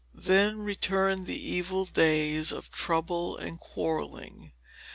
Then returned the evil days of trouble and quarrelling.